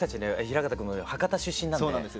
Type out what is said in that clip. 平方君も博多出身なんで。